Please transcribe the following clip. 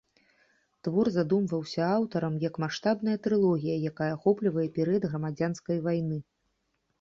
Твор задумваўся аўтарам, як маштабная трылогія, якая ахоплівае перыяд грамадзянскай вайны.